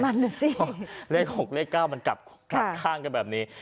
เพราะเลข๖เลข๙มันกลับข้างกันแบบนี้